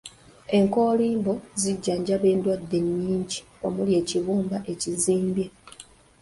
Enkoolimbo zijjanjaba endwadde nnyingi omuli n’ekibumba ekizimbye.